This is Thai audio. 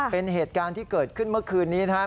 เป็นเหตุการณ์ที่เกิดขึ้นเมื่อคืนนี้นะครับ